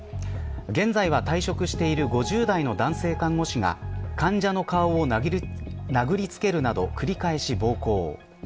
現在は退職している５０代の男性看護師が患者の顔を殴りつけるなど繰り返し暴行。